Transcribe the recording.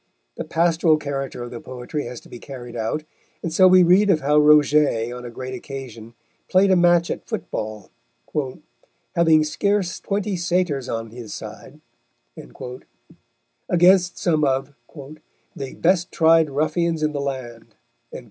The pastoral character of the poetry has to be carried out, and so we read of how Roget on a great occasion played a match at football, "having scarce twenty Satyrs on his side," against some of "the best tried Ruffians in the land."